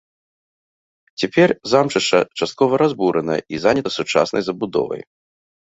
Цяпер замчышча часткова разбурана і занята сучаснай забудовай.